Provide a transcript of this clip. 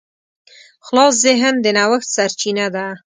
خلاص ذهن د نوښت سرچینه ده.